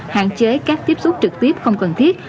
hạn chế các tiếp xúc trực tiếp không cần thiết